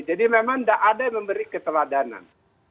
jadi memang tidak ada yang memberi keteladanan